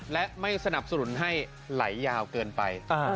และไม่สนับสนุนให้ไหลยาวเกินไป